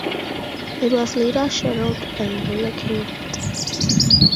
It was later rescheduled and relocated.